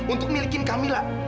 untuk milikin kamila